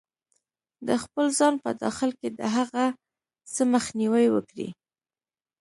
-د خپل ځان په داخل کې د هغه څه مخنیوی وکړئ